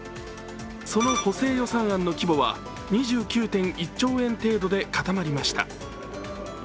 その補正予算案の規模は２９．１兆円程度でかたまりました。